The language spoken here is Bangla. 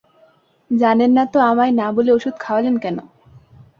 জানেন না তো আমায় না বলে ওষুধ খাওয়ালেন কেন?